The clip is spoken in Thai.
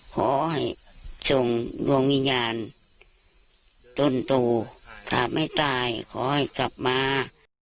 ขอให้จงวงญาณจนตู่ถ้าไม่ตายขอให้กลับมา